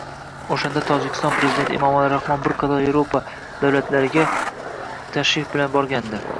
O'shanda Tojikiston Prezidenti Imomali Rahmon bir qator Evropa davlatlariga iy tashrif bilan borgandi